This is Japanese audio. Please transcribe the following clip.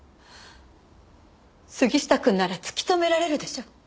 杉下くんなら突き止められるでしょう？